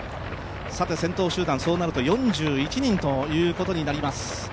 先頭集団、そうなると４１人ということになりました。